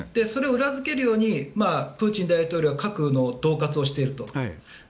それを裏付けるようにプーチン大統領は核のどう喝をしていると。